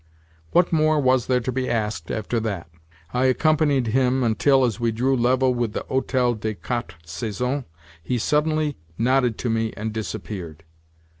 What more was there to be asked after that? I accompanied him until, as we drew level with the Hotel des Quatre Saisons, he suddenly nodded to me and disappeared.